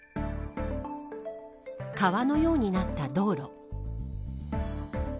川のようになった道路。